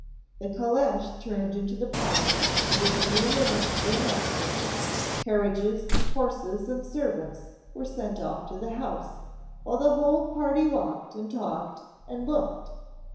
The caleche turned into the park, and in a few minutes they met. Carriages, horses, and servants, were sent off to the house, while the whole party walked, and talked, and looked.